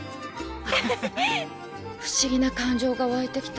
不思議な感情がわいてきた。